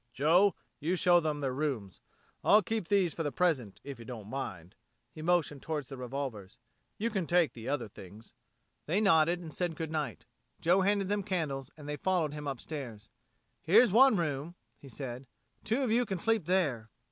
"Joe, you show them their rooms. I'll keep these for the present, if you don't mind." He motioned towards the revolvers. "You can take the other things." They nodded and said good night. Joe handed them candles and they followed him upstairs. "Here's one room," he said. "Two of you can sleep there."